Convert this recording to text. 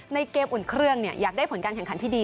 ในเกมอุ่นเครื่องอยากได้ผลการแข่งขันที่ดี